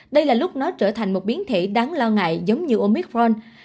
đây là lúc nó trở thành một biến thể đáng lo ngại giống như omicron